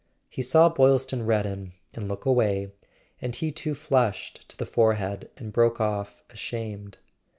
He saw Boylston redden and look away, and he too flushed to the forehead and broke off ashamed.